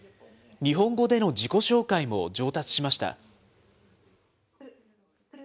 日本語での自己紹介も上達しました。